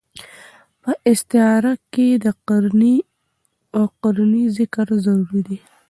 په استعاره کښي د قرينې ذکر ضروري دئ.